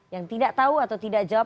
yang tidak tahu atau tidak jawab